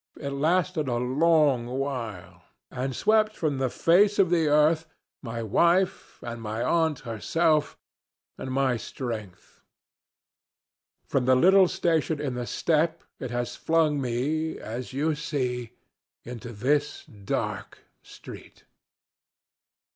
It lasted a long while, and swept from the face of the earth my wife and my aunt herself and my strength. From the little station in the steppe it has flung me, as you see, into this dark street.